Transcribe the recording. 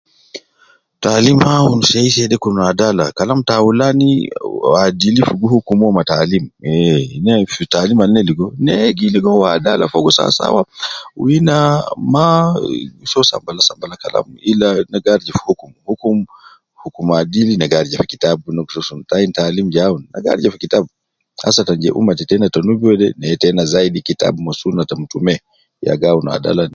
Taalim aunu seiseide fi kun adala. kalam ta aulan adilifu gi hukum o ma taalim, eeh fi taalim al ina ligo ne gi ligo adala fogo sawasawa wu ina maa gi so sambalasambala kalam illa ne garja fi hukumne garija fi kitab ma sunnah